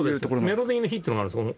メロディーの日っていうのがあるんです